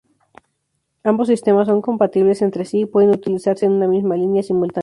Ambos sistemas son compatibles entre sí y pueden utilizarse en una misma línea simultáneamente.